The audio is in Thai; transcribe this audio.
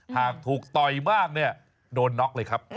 หากถูกต่อยมากเนี่ยโดนน็อกเลยครับ